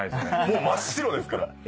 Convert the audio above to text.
もう真っ白ですから。